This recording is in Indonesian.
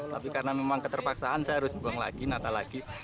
tapi karena memang keterpaksaan saya harus buang lagi natal lagi